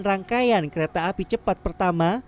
rangkaian kereta api cepat pertama